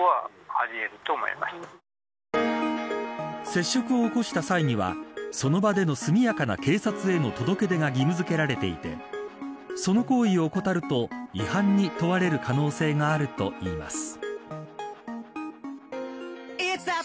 接触を起こした際にはその場での速やかな警察への届け出が義務付けられていてその行為を怠ると違反に問われる可能性があると言います。